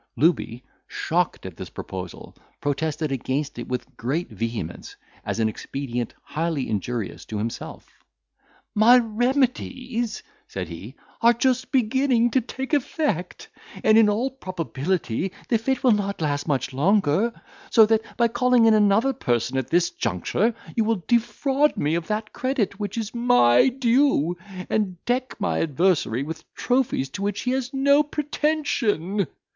Looby, shocked at this proposal, protested against it with great vehemence, as an expedient highly injurious to himself. "My remedies," said he, "are just beginning to take effect, and, in all probability, the fit will not last much longer; so that, by calling in another person at this juncture, you will defraud me of that credit which is my due, and deck my adversary with trophies to which he has no pretension."